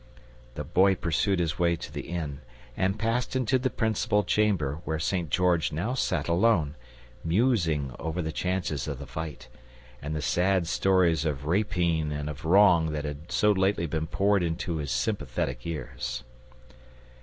The Boy pursued his way to the inn, and passed into the principal chamber, where St. George now sat alone, musing over the chances of the fight, and the sad stories of rapine and of wrong that had so lately been poured into his sympathetic ears.